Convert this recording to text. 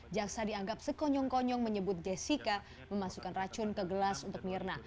jaksa dianggap sekonyong konyong menyebut jessica memasukkan racun ke gelas untuk mirna